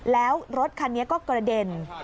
แล้วรถคันนี้ก็กระเด็น